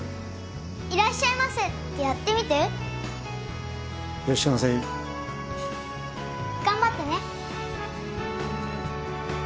いらっしゃいませってやってみていらっしゃいませ頑張ってね